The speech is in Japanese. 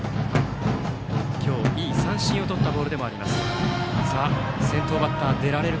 今日、三振をとったボールでもあります。